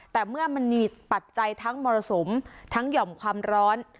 แต่เมื่อมันมีปัจจัยทั้งมรสุมทั้งหย่อมความร้อน